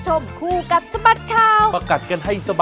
สวัสดีครับ